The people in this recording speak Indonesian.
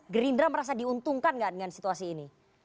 gerindra merasa diuntungkan nggak dengan situasi ini